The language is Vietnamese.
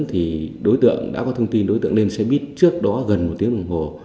thì đối tượng đã có thông tin đối tượng lên xe buýt trước đó gần một tiếng đồng hồ